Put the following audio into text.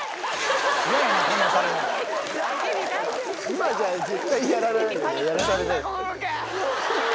・今じゃ絶対やらない。